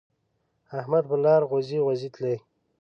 احمد پر لار غوزی غوزی تلی.